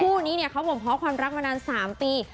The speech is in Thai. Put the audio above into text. คู่นี้เนี่ยเขาบ่มเพาะความรักมานาน๓ปี